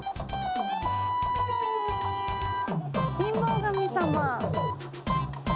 貧乏神様。